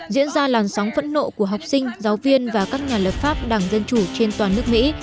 diễn ra làn sóng phẫn nộ của học sinh giáo viên và các nhà lập pháp đảng dân chủ trên toàn nước mỹ